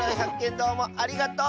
どうもありがとう！